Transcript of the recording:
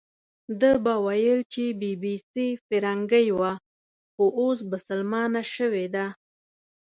ده به ویل چې بي بي سي فیرنګۍ وه، خو اوس بسلمانه شوې ده.